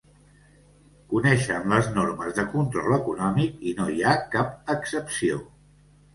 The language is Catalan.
Coneixen les normes de control econòmic i no hi ha cap excepció.